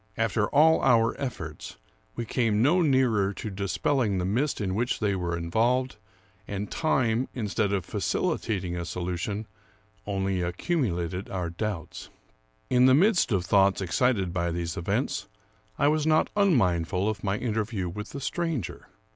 After all our efforts, we came no nearer to dispelling the mist in which they were involved ; and time, instead of facilitating a solution, only accumulated our doubts. In the midst of thoughts excited by these events, I was not unmindful of my interview with the stranger.